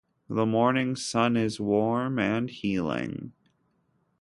The morning sun is warm and healing